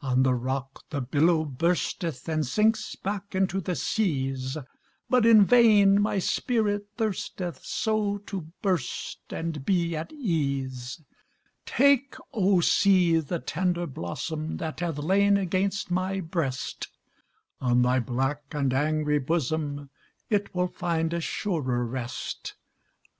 On the rock the billow bursteth And sinks back into the seas, But in vain my spirit thirsteth So to burst and be at ease. Take, O, sea! the tender blossom That hath lain against my breast; On thy black and angry bosom It will find a surer rest.